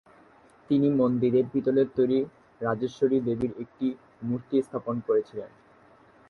তিনি মন্দিরে পিতলের তৈরি রাজেশ্বরী দেবীর একটি মূর্তি স্থাপন করেছিলেন।